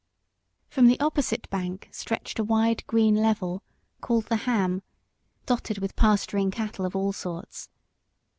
From the opposite bank stretched a wide green level, called the Ham dotted with pasturing cattle of all sorts.